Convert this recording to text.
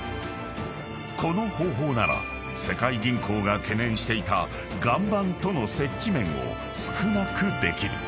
［この方法なら世界銀行が懸念していた岩盤との接地面を少なくできる］